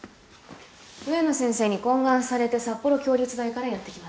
植野先生に懇願されて札幌共立大からやって来ました。